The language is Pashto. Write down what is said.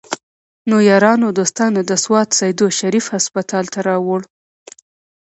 نو يارانو دوستانو د سوات سيدو شريف هسپتال ته راوړو